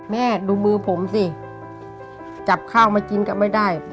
ดูมือผมสิจับข้าวมากินก็ไม่ได้